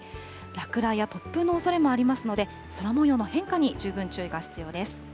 落雷や突風のおそれもありますので、空もようの変化に十分注意が必要です。